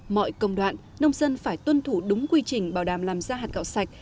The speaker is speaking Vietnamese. mọi công đoạn nông dân phải tuân thủ đúng quy trình bảo đảm làm ra hạt gạo sạch